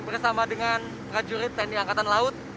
bersama dengan prajurit tni angkatan laut